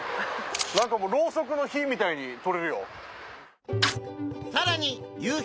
何かもうろうそくの火みたいに撮れるよ。